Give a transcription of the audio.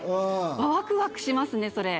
ワクワクしますねそれ。